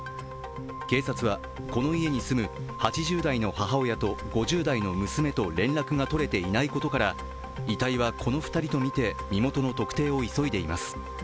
警察はこの家に住む８０代の母親と５０代の娘と連絡が取れていないことから遺体はこの２人とみて身元の特定を急いでいます。